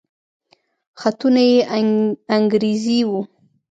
خطونه يې انګريزي وو.